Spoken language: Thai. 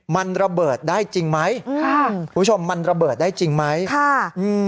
มันระเบิดได้จริงไหมค่ะคุณผู้ชมมันระเบิดได้จริงไหมค่ะอืม